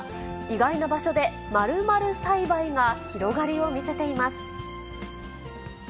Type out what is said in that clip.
意外な場所で○○栽培が広がりを見せています。